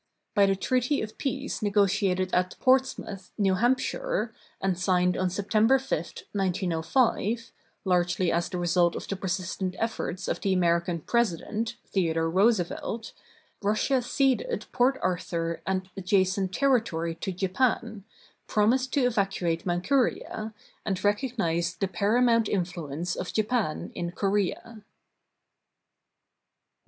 By the treaty of peace negotiated at Portsmouth, New Hampshire, and signed on September 5, 1905, largely as the result of the persistent efforts of the American President, Theodore Roosevelt, Russia ceded Port Arthur and adjacent territory to Japan, promised to evacuate Manchuria, and recognized the paramount influence of Japan in Korea.